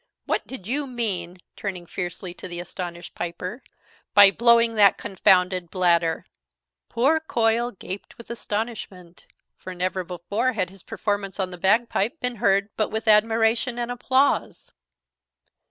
What did you mean," turning fiercely to the astonished piper, "by blowing that confounded bladder?" Poor Coil gaped with astonishment; for never before had his performance on the bagpipe been heard but with admiration and applause.